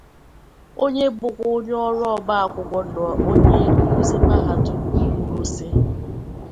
onye bụkwa onye ọrụ ọba akwụkwọ na onye nkuzi mahadum kwuru sị